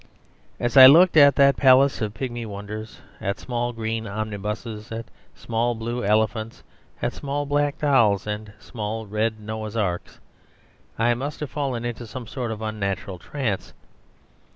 ..... As I looked at that palace of pigmy wonders, at small green omnibuses, at small blue elephants, at small black dolls, and small red Noah's arks, I must have fallen into some sort of unnatural trance.